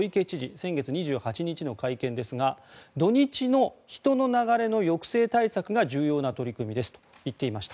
先月２８日の会見ですが土日の人の流れの抑制対策が重要な取り組みですと言っていました。